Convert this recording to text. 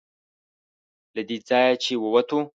له دې ځایه چې ووتو.